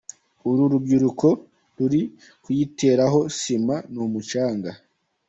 Uru rubyiruko ruri kuyiteraho sima n’umucanga.